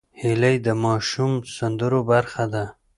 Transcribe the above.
هیلۍ د ماشوم سندرو برخه ده